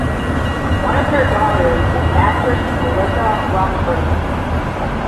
One of their daughters is actress Melissa Roxburgh.